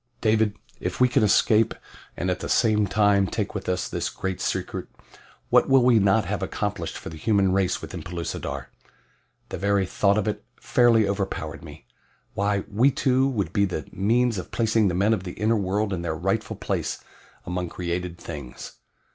"David, if we can escape, and at the same time take with us this great secret what will we not have accomplished for the human race within Pellucidar!" The very thought of it fairly overpowered me. Why, we two would be the means of placing the men of the inner world in their rightful place among created things.